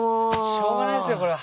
しょうがないっすよこれは。